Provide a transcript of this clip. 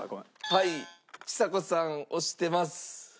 はいちさ子さん押してます。